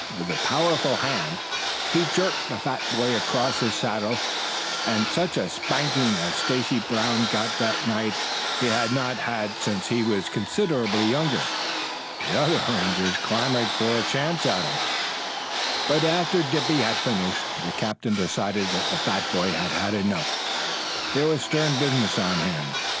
With a powerful hand he jerked the fat boy across his saddle and such a spanking as Stacy Brown got that night he had not had since he was considerably younger. The other Rangers clamored for a chance at him, but after Dippy had finished the captain decided that the fat boy had had enough. There was stern business on hand.